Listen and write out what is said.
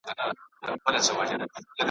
چي به پورته د غوايی سولې رمباړي .